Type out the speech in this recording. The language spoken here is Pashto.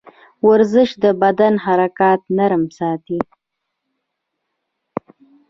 ورزش د بدن حرکات نرم ساتي.